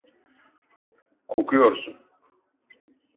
Kokuyorsun!